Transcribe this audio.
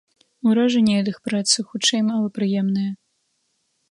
Уражанні ад іх працы, хутчэй, малапрыемныя.